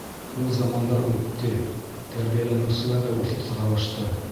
Ул замандар үтте, тәрбиәләнеүселәр ҙә үҫеп таралышты.